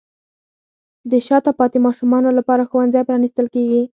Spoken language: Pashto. د شاته پاتې ماشومانو لپاره ښوونځي پرانیستل کیږي.